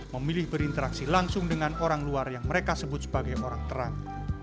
memilih berinteraksi langsung dengan orang luar yang mereka sebut sebagai orang terang